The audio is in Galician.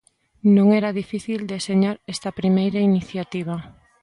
Non era difícil deseñar esta primeira iniciativa.